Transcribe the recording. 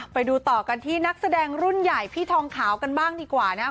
ไปดูต่อกันที่นักแสดงรุ่นใหญ่พี่ทองขาวกันบ้างดีกว่านะครับ